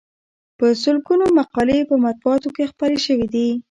په سلګونو مقالې یې په مطبوعاتو کې خپرې شوې دي.